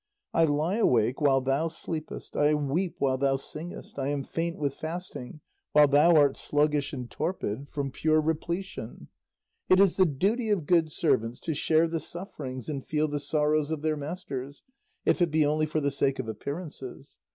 I lie awake while thou sleepest, I weep while thou singest, I am faint with fasting while thou art sluggish and torpid from pure repletion. It is the duty of good servants to share the sufferings and feel the sorrows of their masters, if it be only for the sake of appearances.